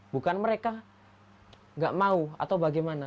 bukan mereka nggak mau atau bagaimana